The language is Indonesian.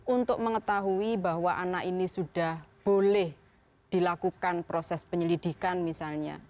untuk mengetahui bahwa anak ini sudah boleh dilakukan proses penyelidikan misalnya